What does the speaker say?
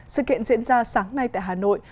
sự kiện diễn ra sáng nay tại hà nội